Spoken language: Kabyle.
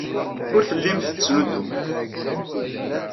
Ur tellimt tettnuddumemt.